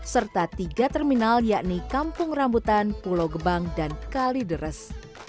serta tiga terminal yakni kampung rambutan pulau gebang dan kalideres